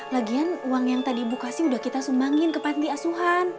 lagian uang yang tadi ibu kasih udah kita sumbangin ke panti asuhan